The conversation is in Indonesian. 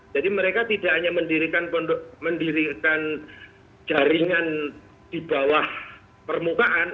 jadi mereka tidak hanya mendirikan jaringan di bawah permukaan